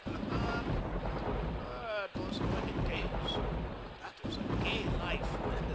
Ah, those were days. That was a gay life.